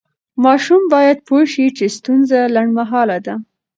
ماشوم باید پوه شي چې ستونزه لنډمهاله ده.